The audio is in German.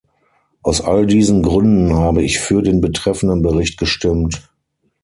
Aus all diesen Gründen habe ich für den betreffenden Bericht gestimmt.